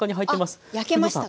焼けましたか？